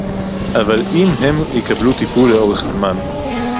אבל אם הם יקבלו טיפול לאורך זמן